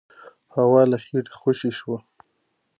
هوا له خېټې خوشې شوه.